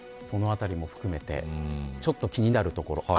そのあたりも含めてちょっと気になるところ。